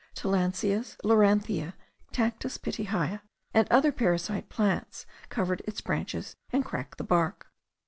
Tillandsias, lorantheae, Cactus Pitahaya, and other parasite plants, cover its branches, and crack the bark.